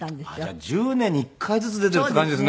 じゃあ１０年に１回ずつ出ているっていう感じですね